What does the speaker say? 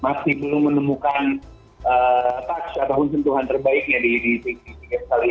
masih belum menemukan touch ataupun sentuhan terbaiknya di tim tim tiga kali